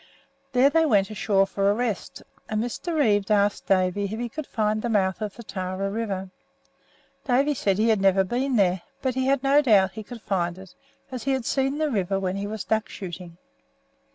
There they went ashore for a rest, and Mr. Reeve asked Davy if he could find the mouth of the Tarra River. Davy said he had never been there, but he had no doubt that he could find it, as he had seen the river when he was duck shooting.